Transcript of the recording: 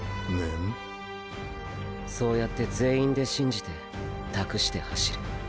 そうやって全員で信じて託して走る。